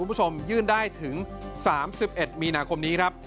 คุณผู้ชมยื่นได้ถึง๓๑มีนาคมนี้ครับ